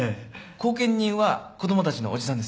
後見人は子供たちのおじさんです。